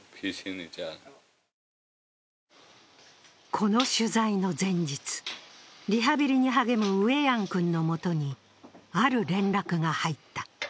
この取材の前日、リハビリに励むウェヤン君のもとにある連絡が入った。